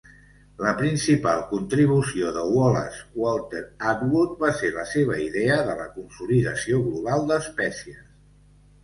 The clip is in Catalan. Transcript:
La principal contribució de Wallace Walter Atwood va ser la seva idea de la consolidació global d'espècies.